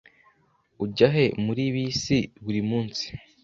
Ujya he muri bisi buri munsi?